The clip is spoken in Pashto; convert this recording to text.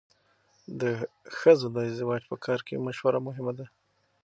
د ښځو د ازدواج په کار کې مشوره مهمه ده.